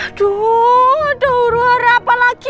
aduh ada urara apa lagi